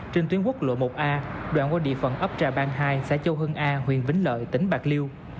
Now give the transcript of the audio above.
trên tuyến quốc lộ một a đoạn qua địa phận ấp trà bang hai xã châu hưng a huyện vĩnh lợi tỉnh bạc liêu